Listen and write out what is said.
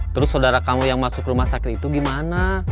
terus saudara kamu yang masuk rumah sakit itu gimana